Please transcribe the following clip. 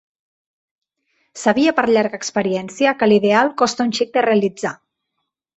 Sabia per llarga experiència que l'ideal costa un xic de realitzar